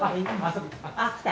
あっ来た。